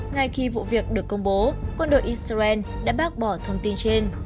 ngay khi vụ việc được công bố quân đội israel đã bác bỏ thông tin trên